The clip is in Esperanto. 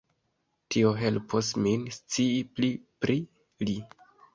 Tio helpos min scii pli pri li.